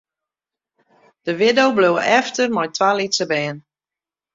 De widdo bleau efter mei twa lytse bern.